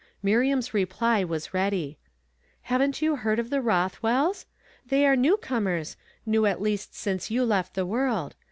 Miriam's reply was ready. "Haven't you heard of the Roth wells? They are new comers, new at least since you left the world.